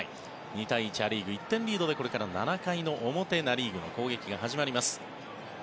２対１、ア・リーグ１点リードでこれから７回の表ナ・リーグの攻撃が始まります。